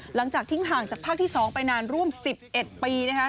หลังจากทิ้งห่างจากภาคที่๒ไปนานร่วม๑๑ปีนะคะ